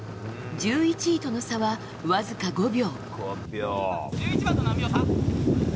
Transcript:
１１位との差は、わずか５秒。